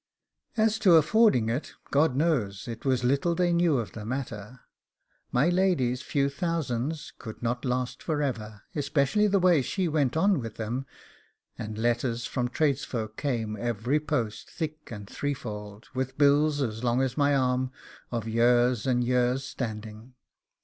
As to affording it, God knows it was little they knew of the matter; my lady's few thousands could not last for ever, especially the way she went on with them; and letters from tradesfolk came every post thick and threefold, with bills as long as my arm, of years' and years' standing.